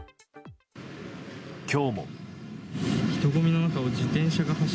今日も。